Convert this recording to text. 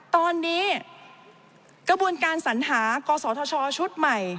ตอนนี้กระบวนการสัญหากศธชชุดใหม่